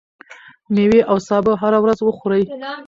ميوې او سابه هره ورځ وخورئ.